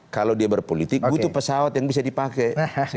kalau dia berpolitik butuh pesawat yang bisa dipakai